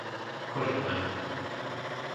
Korytné